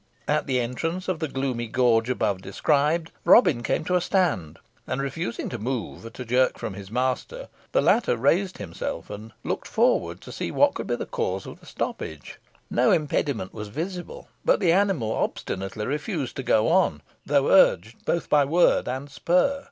At the entrance of the gloomy gorge above described, Robin came to a stand, and refusing to move at a jerk from his master, the latter raised himself, and looked forward to see what could be the cause of the stoppage. No impediment was visible, but the animal obstinately refused to go on, though urged both by word and spur.